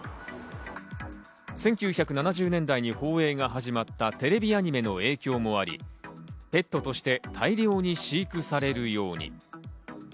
１９７０年代に放映が始まったテレビアニメの影響もあり、ペットとして大量に飼育されるように。